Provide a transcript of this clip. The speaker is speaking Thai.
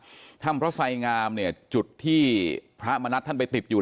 แห่งนี้นะครับท่ำพระทรัยงามเนี่ยจุดที่พระมนัสท่านไปติดอยู่